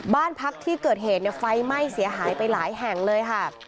บ้านพักที่เกิดเหตุไฟไหม้เสียหายไปหลายแห่งเลยค่ะ